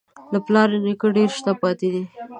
له پلار نیکه ډېر شته پاتې دي.